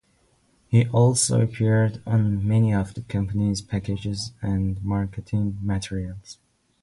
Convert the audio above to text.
He also appeared on many of the company's packages and marketing materials.